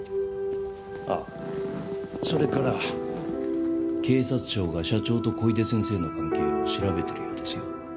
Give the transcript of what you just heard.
ああそれから警察庁が社長と小出先生の関係を調べているようですよ。